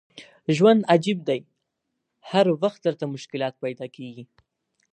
ژوند عجیب دی هر وخت درته مشکلات پیدا کېږي.